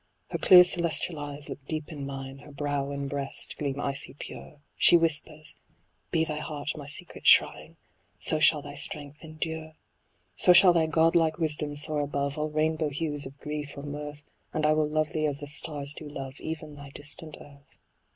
Her clear celestial eyes look deep in mine. Her brow and breast gleam icy pure ; She whispers —" Be thy heart my secret shrine, So shall thy strength endure. THE ASTRONOMER. " So shall thy god like wisdom soar above All rainbow hues of grief or mirth, And I will love thee as the stars do love Even thy distant earth."